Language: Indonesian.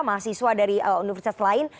mahasiswa dari universitas lain